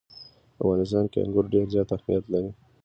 په افغانستان کې انګور ډېر زیات اهمیت لري.